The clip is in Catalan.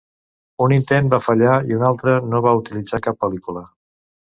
Un intent va fallar i un altre no va utilitzar cap pel·lícula.